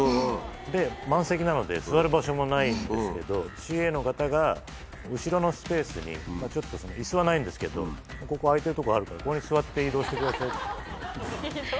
で、満席なので、座る場所もないんですけれども、ＣＡの方が、後ろのスペースに、ちょっと、いすはないんですけれども、ここ、空いてる所あるから、ここに座って移動してくださいって言われて。